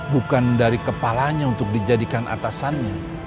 bukan dari kepalanya untuk dijadikan atasannya